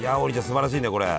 すばらしいねこれ。